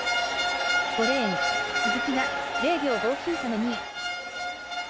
５レーン、鈴木が０秒５９差の２位。